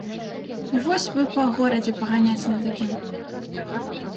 Вось бы па горадзе паганяць на такім!